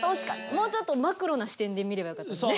もうちょっとマクロな視点で見ればよかったですね。